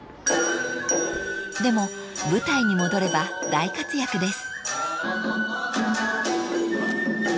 ［でも舞台に戻れば大活躍です］